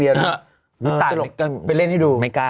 อะไรที่มีความเชื่อเกี่ยวกับผีสางหนังมายห้ามเอาไปใช้ให้เขาดูเด็ดขาด